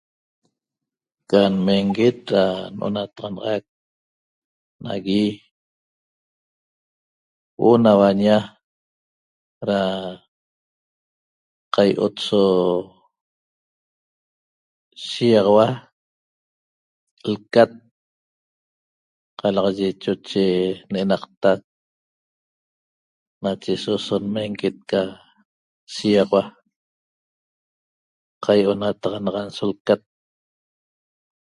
Ca nmenguet da n'onataxanaxac nagui huo'o na huaña da qai'ot so shiýaxaua lcat qalaxaye choche n'enaqtac nache so so nmenguet ca shiýaxaua qai'onataxanaxan so lcat